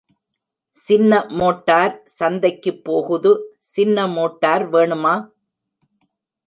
சின்ன மோட்டார் சந்தைக்குப் போகுது சின்ன மோட்டார் வேணுமா?